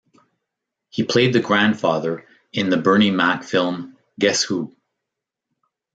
He played the grandfather in the Bernie Mac film "Guess Who".